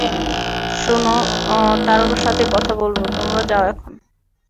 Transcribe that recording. শোন, তার সাথে কথা বলব, তোমরা যাও এখন।